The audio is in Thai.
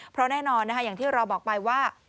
เพราะแน่นอนอย่างที่เราบอกไปว่า